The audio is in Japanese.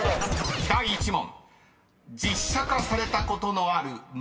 ［第１問］